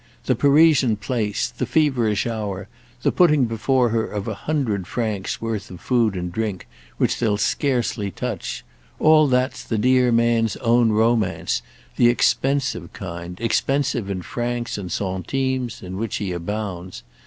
The Parisian place, the feverish hour, the putting before her of a hundred francs' worth of food and drink, which they'll scarcely touch—all that's the dear man's own romance; the expensive kind, expensive in francs and centimes, in which he abounds.